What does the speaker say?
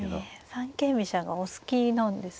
三間飛車がお好きなんですね。